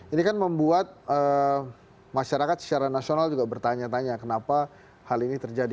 ini kan membuat masyarakat secara nasional juga bertanya tanya kenapa hal ini terjadi